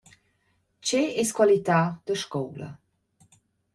Che es qualità da scoula?